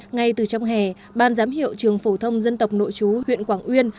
ngay từ trong hè ban giám hiệu trường phổ thông dân tộc nội chú huyện quảng uyên